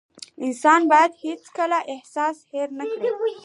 انسان بايد هيڅکله احسان هېر نه کړي .